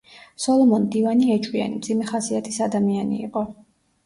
სოლომონ მდივანი ეჭვიანი, მძიმე ხასიათის ადამიანი იყო.